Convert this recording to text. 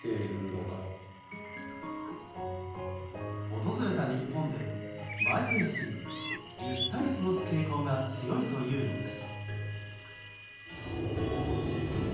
訪れた日本で、マイペースにゆったり過ごす傾向が強いというのです。